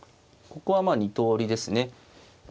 ここは２通りですね。